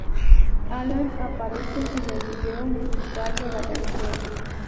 Allan aparece en el video musical de la canción.